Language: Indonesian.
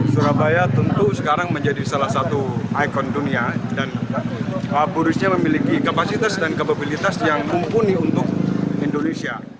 surabaya tentu sekarang menjadi salah satu ikon dunia dan burisnya memiliki kapasitas dan kapabilitas yang mumpuni untuk indonesia